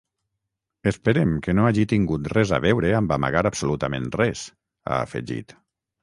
Esperem que no hagi tingut res a veure amb amagar absolutament res, ha afegit.